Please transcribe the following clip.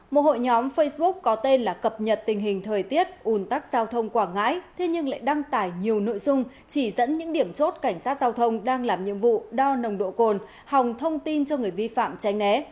một hội nhóm facebook có tên là cập nhật tình hình thời tiết ùn tắc giao thông quảng ngãi thế nhưng lại đăng tải nhiều nội dung chỉ dẫn những điểm chốt cảnh sát giao thông đang làm nhiệm vụ đo nồng độ cồn hòng thông tin cho người vi phạm tránh né